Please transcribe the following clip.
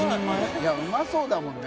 いやうまそうだもんね。